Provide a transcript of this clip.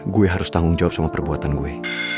gue harus tanggung jawab sama perbuatan gue